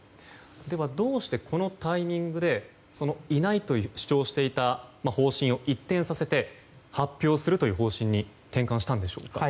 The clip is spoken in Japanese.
どうしてこのタイミングでいないと主張していた方針を一転させて、発表するという方針に転換したのでしょうか。